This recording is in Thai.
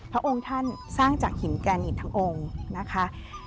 พระองค์ท่านสร้างจากหินแกนินทั้งองค์นะคะ